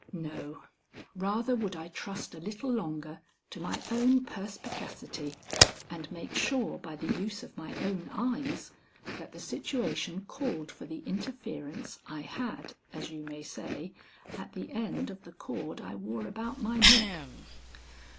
No, rather would I trust a little longer to my own perspicacity and make sure by the use of my own eyes that the situation called for the interference I had, as you may say, at the end of the cord I wore about my neck.